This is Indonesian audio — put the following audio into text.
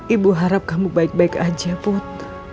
ibu harap kamu baik baik aja putri